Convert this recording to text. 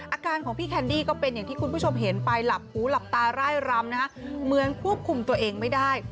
อาการของพี่แคนดี้ก็เป็นอย่างที่คุณผู้ชมเห็นไปหลับหูหลับตาร่ายรำนะฮะเหมือนควบคุมตัวเองไม่ได้